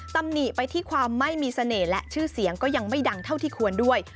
ตำหนิไปที่ความไม่มีเสน่ห์และชื่อเสียงก็ยังไม่ดังเท่าที่ควรด้วย